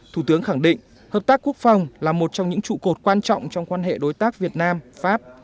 thủ tướng khẳng định hợp tác quốc phòng là một trong những trụ cột quan trọng trong quan hệ đối tác việt nam pháp